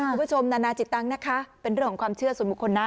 นานาจิตังนะคะเป็นเรื่องของความเชื่อส่วนบุคคลนะ